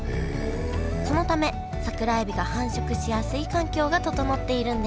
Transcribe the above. そのため桜えびが繁殖しやすい環境が整っているんです